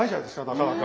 なかなか。